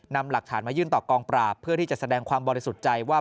นำหลักฐานมายื่นต่อกองปราบเพื่อที่จะแสดงความบริสุทธิ์ใจว่า